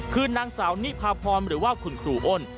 คือนางสาวนิพาพรหรือว่าคุณครูอ้น